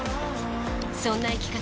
そんな生き方